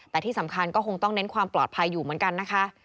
แต่ที่สำคัญก็คงต้องเน้นความปลอดภัยอยู่เหมือนกันนะคะ